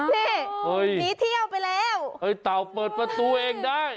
นี่หนีเที่ยวไปแล้วเฮ้ยเต่าเปิดประตูเองได้